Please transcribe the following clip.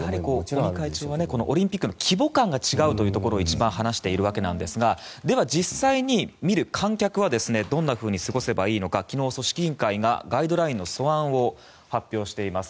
尾身会長はオリンピックの規模感が違うことを一番話しているわけですが実際に見る観客はどんなふうに過ごせばいいのか昨日組織委員会がガイドラインの素案を発表しています。